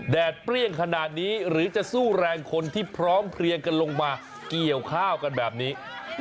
เปรี้ยงขนาดนี้หรือจะสู้แรงคนที่พร้อมเพลียงกันลงมาเกี่ยวข้าวกันแบบนี้